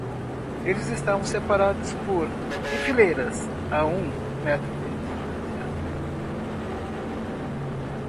Eles estavam separados por? em fileiras a um metro de distância.